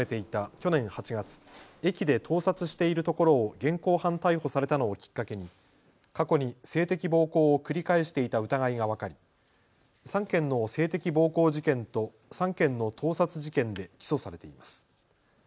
去年８月、駅で盗撮しているところを現行犯逮捕されたのをきっかけに過去に性的暴行を繰り返していた疑いが分かり３件の性的暴行事件と３件の盗撮事件で起訴されています。